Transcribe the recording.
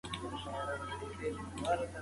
هغه هیڅکله خپله خبره نه بدلوي.